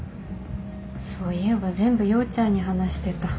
そういえば全部陽ちゃんに話してた。